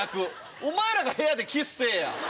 お前らが部屋でキスせぇや。